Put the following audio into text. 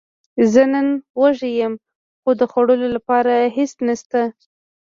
زه نن وږی یم، خو د خوړلو لپاره هیڅ نشته